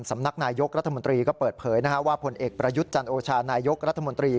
สำนักนายยกรัฐมนตรีก็เปิดเผยว่าผลเอกประยุทธ์จันโอชานายกรัฐมนตรี